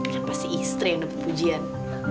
kan pasti istri yang dapet pujian